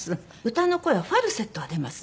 歌の声はファルセットは出ます。